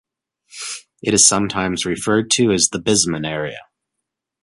It is sometimes referred to as the Bisman area.